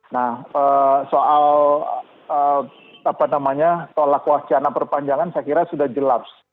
nah soal tolak wacana perpanjangan saya kira sudah jelas